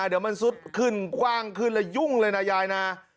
เดี๋ยวมันซุดขึ้นกว้างขึ้นแล้วยุ่งเลยนะยายนะ